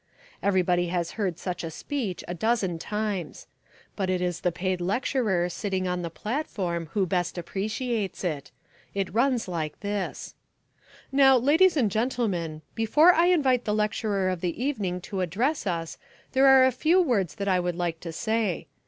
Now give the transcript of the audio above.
Everybody has heard such a speech a dozen times. But it is the paid lecturer sitting on the platform who best appreciates it. It runs like this: "Now, ladies and gentlemen, before I invite the lecturer of the evening to address us there are a few words that I would like to say.